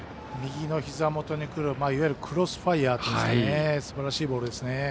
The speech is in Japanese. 右のひざ元にくるいわゆるクロスファイアーというんですかね。